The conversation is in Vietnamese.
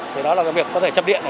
thì đó là việc có thể chập điện